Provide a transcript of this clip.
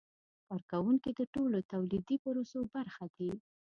کارکوونکي د ټولو تولیدي پروسو برخه دي.